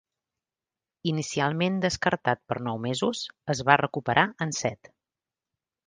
Inicialment descartat per nou mesos, es va recuperar en set.